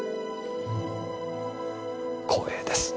光栄です。